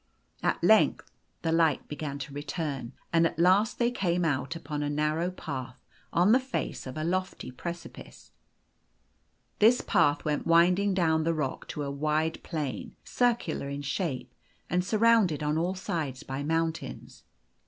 At length the light began to return, and at last they came out upon a narrow path on the face of a lofty precipice. This path went wind ing down the rock to a wide plain, circular in shape, and surrounded on all sides by mountains.